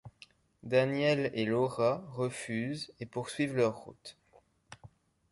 Daniel et Laura refusent et poursuivent leur route.